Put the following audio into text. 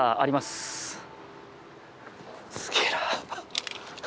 すげえな。